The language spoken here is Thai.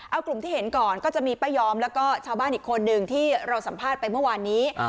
เอากลุ่มที่เห็นก่อนก็จะมีป้ายยอมแล้วก็ชาวบ้านอีกคนนึงที่เราสัมภาษณ์ไปเมื่อวานนี้